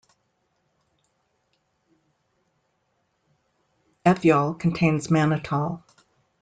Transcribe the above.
Ethyol contains mannitol.